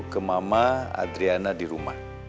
ke mama adriana di rumah